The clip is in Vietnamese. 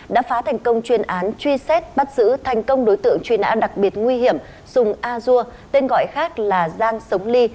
đã phá thành công chuyên án truy xét bắt giữ thành công đối tượng truy nã đặc biệt nguy hiểm sùng a dua tên gọi khác là giang sống ly